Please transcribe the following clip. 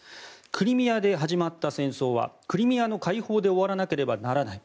クリミアで始まった戦争はクリミアの解放で終わらなければならない。